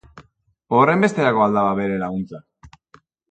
Horrenbesterako al da bere laguntza?